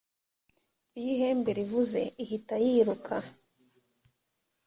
iyo ihembe rivuze ihita yiruka.